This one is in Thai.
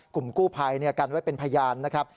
กลุ่มกู้ภัยกันไว้เป็นพยานนะครับ